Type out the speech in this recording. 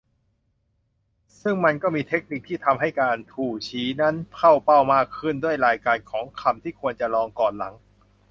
ซึ่งมันก็มีเทคนิคที่ทำให้การ "ทู่ซี้" นั้น เข้าเป้ามากขึ้น ด้วยรายการของคำที่ควรจะลองก่อนหลัง